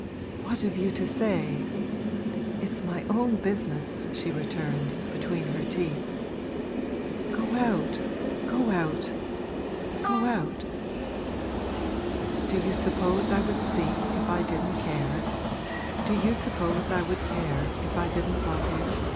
'What have you to say? It's my own business!' she returned, between her teeth. 'Go out, go out, go out!' 'Do you suppose I would speak if I didn't care do you suppose I would care if I didn't love you?'